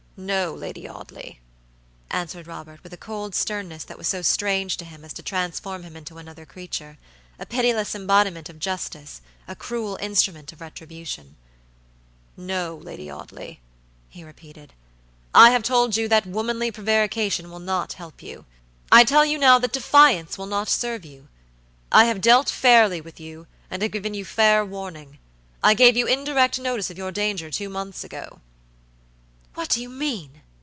"No, Lady Audley," answered Robert, with a cold sternness that was so strange to him as to transform him into another creaturea pitiless embodiment of justice, a cruel instrument of retribution"no, Lady Audley," he repeated, "I have told you that womanly prevarication will not help you; I tell you now that defiance will not serve you. I have dealt fairly with you, and have given you fair warning. I gave you indirect notice of your danger two months ago." "What do you mean?"